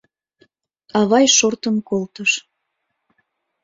Авай шортын колтыш.